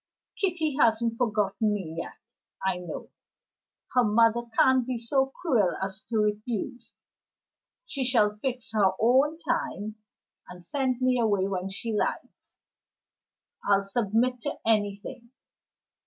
Kitty hasn't forgotten me yet, I know. Her mother can't be so cruel as to refuse. She shall fix her own time, and send me away when she likes; I'll submit to anything.